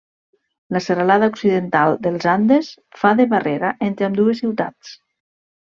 La Serralada Occidental dels Andes fa de barrera entre ambdues ciutats.